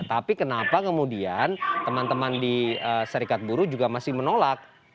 tapi kenapa kemudian teman teman di serikat buruh juga masih menolak